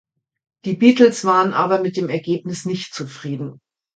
Die Beatles waren aber mit dem Ergebnis nicht zufrieden.